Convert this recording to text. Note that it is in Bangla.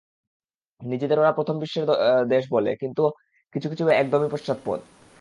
নিজেদের ওরা প্রথম বিশ্বের দেশ বলে, কিন্তু কিছু কিছু ব্যাপারে একদমই পশ্চাৎপদ।